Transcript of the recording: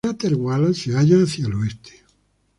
El cráter Wallace se haya hacia el oeste.